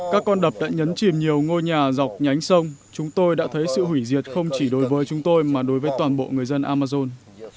các con đập đã nhấn chìm nhiều ngôi nhà dọc nhánh sông chúng tôi đã thấy sự hủy diệt không chỉ đối với chúng tôi mà đối với toàn bộ người dân amazon